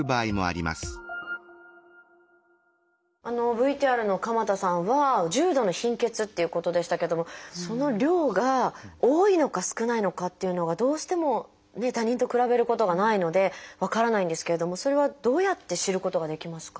ＶＴＲの鎌田さんは重度の貧血っていうことでしたけどもその量が多いのか少ないのかっていうのがどうしてもね他人と比べることがないので分からないんですけれどもそれはどうやって知ることができますか？